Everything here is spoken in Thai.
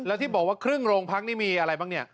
แล้วที่บอกว่าครึ่งโรงพักนี่มีอะไรบ้างเนี่ย